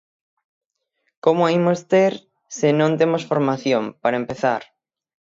Como a imos ter se non temos formación, para empezar.